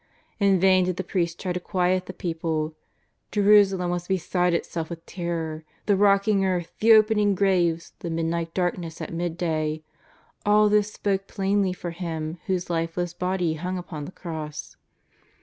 In vain did the priests try to quiet the people, Jeru salem was beside itself with terror; the rocking earth, the opening graves, the midnight darkness at midday — all this spoke plainly for Him whose lifeless body himg upon the cross.